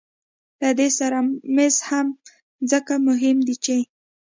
له دې سره مس هم ځکه مهم دي چې